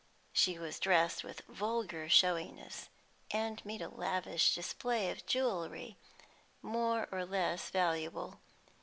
She was dressed with vulgar showiness, and made a lavish display of jewellery, more or less valuable.